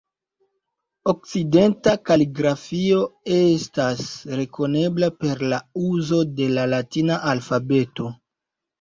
Okcidenta kaligrafio estas rekonebla per la uzo de la latina alfabeto.